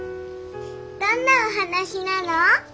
どんなお話なの？